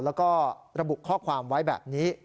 แล้วก็ระบุข้อความไว้แบบนี้